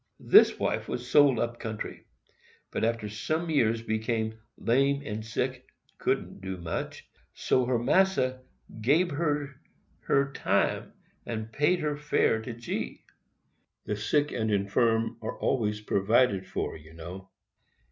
This wife was sold up country, but after some years became "lame and sick—couldn't do much—so her massa gabe her her time, and paid her fare to G."—[The sick and infirm are always provided for, you know.